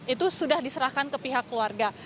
itu sudah diserahkan ke pihak keluarga